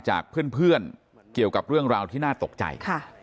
จากเพื่อนเกี่ยวกับเรื่องราวที่น่าตกใจ